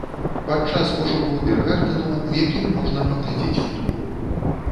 Падчас пошуку біргартэну, у якім можна паглядзець футбол.